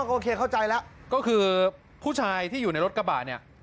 โอเคเข้าใจแล้วก็คือผู้ชายที่อยู่ในรถกระบะเนี่ย